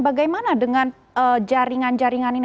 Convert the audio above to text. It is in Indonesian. bagaimana dengan jaringan jaringan ini